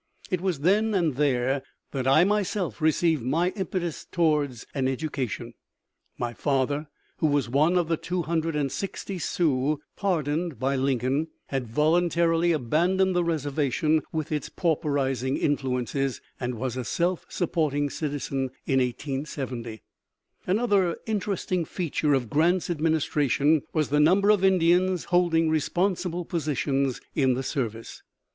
It was then and there that I myself received my impetus toward an education. My father, who was one of the two hundred and sixty Sioux pardoned by Lincoln, had voluntarily abandoned the reservation with its pauperizing influences, and was a self supporting citizen in 1870. Another interesting feature of Grant's administration was the number of Indians holding responsible positions in the service.